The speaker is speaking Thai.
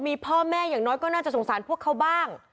มีพ่อแม่อย่างน้อยก็น่าจะสงสารพวกเขาบ้าง